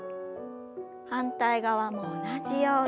反対側も同じように。